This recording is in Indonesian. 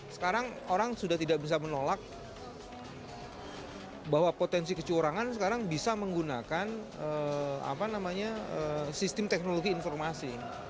sekarang orang sudah tidak bisa menolak bahwa potensi kecurangan sekarang bisa menggunakan sistem teknologi informasi